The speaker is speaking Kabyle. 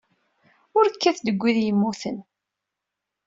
Ur kkat deg wid yemmuten.